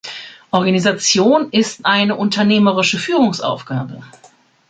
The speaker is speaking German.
Organisation ist eine unternehmerische Führungsaufgabe.